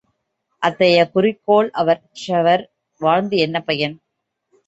அத்தகைய குறிக்கோள் அற்றவர் வாழ்ந்து என்ன பயன்?